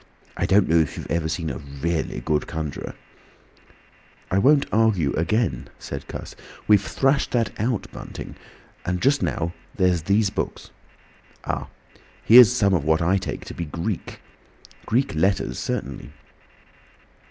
I don't know if you have ever seen a really good conjuror—" "I won't argue again," said Cuss. "We've thrashed that out, Bunting. And just now there's these books—Ah! here's some of what I take to be Greek! Greek letters certainly."